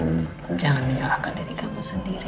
jangan meninggalkan diri kamu sendiri